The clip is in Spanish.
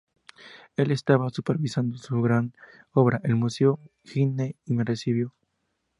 Él estaba supervisando su gran obra, el museo Guggenheim, y me recibió.